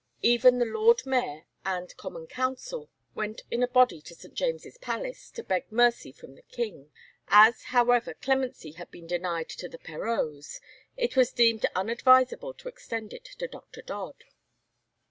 Even the Lord Mayor and Common Council went in a body to St. James's Palace to beg mercy from the King. As, however, clemency had been denied to the Perreaus, it was deemed unadvisable to extend it to Dr. Dodd.